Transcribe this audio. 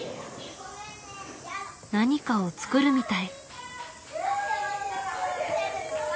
何かを作るみたい。